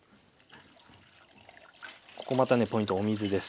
ここまたねポイントお水です。